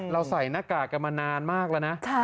ใส่หน้ากากกันมานานมากแล้วนะ